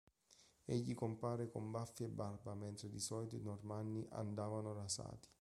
Egli compare con baffi e barba mentre di solito i Normanni andavano rasati.